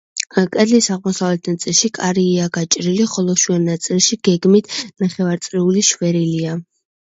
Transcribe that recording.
კედლის აღმოსავლეთ ნაწილში კარია გაჭრილი, ხოლო შუა ნაწილში გეგმით ნახევარწრიული შვერილია.